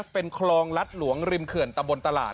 เป็นคลองรัฐหลวงริมเขื่อนตะบนตลาด